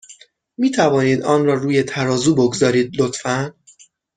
می توانید آن را روی ترازو بگذارید، لطفا؟